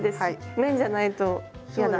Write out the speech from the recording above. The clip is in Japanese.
綿じゃないと嫌だ。